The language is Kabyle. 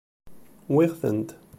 Wwiɣ-tent.